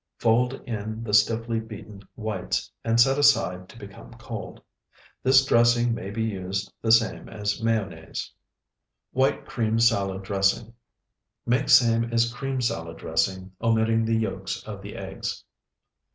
Fold in the stiffly beaten whites, and set aside to become cold. This dressing may be used the same as mayonnaise. WHITE CREAM SALAD DRESSING Make same as cream salad dressing, omitting the yolks of the eggs.